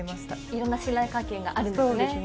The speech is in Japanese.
いろんな信頼関係があるんですね。